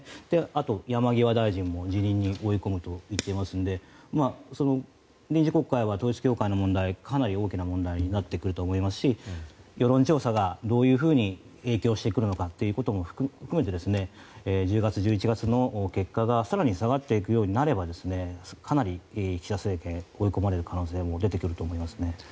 あと山際大臣も辞任に追い込むと言っていますので臨時国会は統一教会の問題がかなり大きな問題になってくると思いますし世論調査がどういうふうに影響してくるのかということも含めて１０月、１１月の結果が更に下がっていくようになればかなり岸田政権追い込まれる可能性も出てくると思いますね。